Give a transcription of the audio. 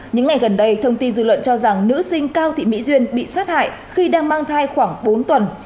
những ngày gần đây thông tin dư luận cho rằng nữ sinh cao thị mỹ duyên bị sát hại khi đang mang thai khoảng bốn tuần